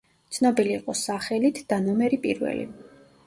ცნობილი იყო სახელით „და ნომერი პირველი“.